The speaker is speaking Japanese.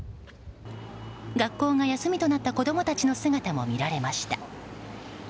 学校が休みとなった子供たちの姿も見られました。